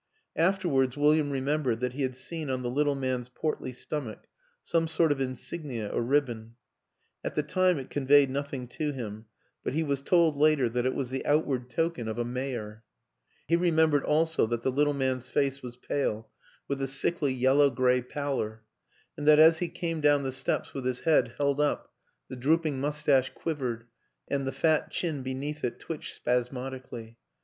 Afterwards William re membered that he had seen on the little man's portly stomach some sort of insignia or ribbon; at the time it conveyed nothing to him, but he was told later that it was the outward token of a WILLIAM AN ENGLISHMAN 103 mayor. He remembered also that the little man'j face was pale, with a sickly yellow gray pallor; and that as he came down the steps with his head held up the drooping mustache quivered and the fat chin beneath it twitched spasmodically.